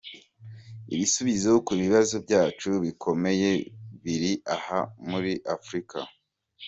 Ibisubizo ku bibazo byacu bikomeye biri aha, muri Afurika.